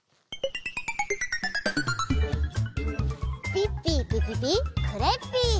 ピッピーピピピクレッピー！